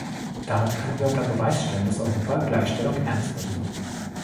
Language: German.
Damit können wir unter Beweis stellen, dass Europa Gleichstellung ernst nimmt.